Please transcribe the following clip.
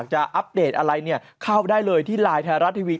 อัปเดตอะไรเข้าได้เลยที่ไลน์ไทยรัฐทีวี